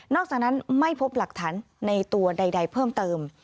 จากนั้นไม่พบหลักฐานในตัวใดเพิ่มเติม